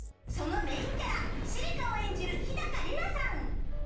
そのメインキャラシリカを演じる日高里菜さん